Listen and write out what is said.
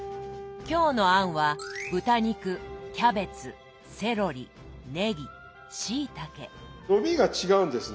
今日の餡は伸びが違うんですね。